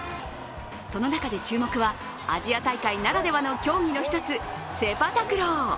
その中で注目はアジア大会ならではの競技の１つ、セパタクロー。